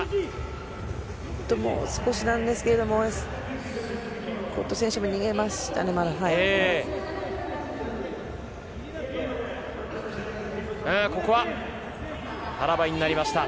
もう少しなんですけれど、エスコト選手も逃げましたね。